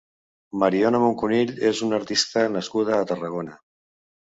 Mariona Moncunill és una artista nascuda a Tarragona.